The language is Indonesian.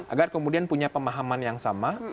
agar kemudian punya pemahaman yang sama